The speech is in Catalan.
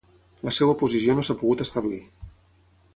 La seva posició no s'ha pogut establir.